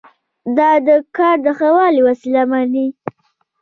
دا د کار د ښه والي وسیله ومني.